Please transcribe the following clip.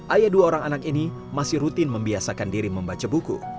ayah dua orang anak ini masih rutin membiasakan diri membaca buku